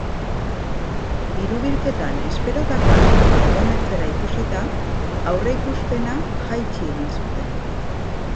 Diru-bilketan esperotako hazkundea egongo ez zela ikusita, aurreikuspena jaitsi egin zuten.